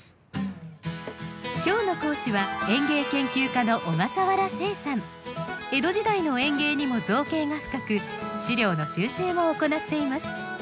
今日の講師は江戸時代の園芸にも造詣が深く資料の収集も行っています。